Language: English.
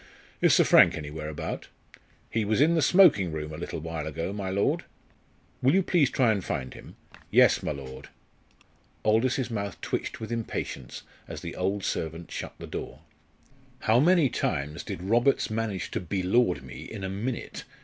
"Is Sir Frank anywhere about?" "He was in the smoking room a little while ago, my lord." "Will you please try and find him?" "Yes, my lord." Aldous's mouth twitched with impatience as the old servant shut the door. "How many times did Roberts manage to be lord me in a minute?"